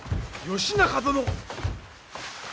義仲殿！